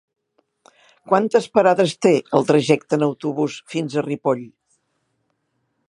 Quantes parades té el trajecte en autobús fins a Ripoll?